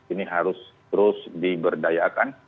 ini harus terus diberdayakan